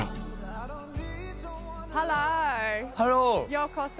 ようこそ。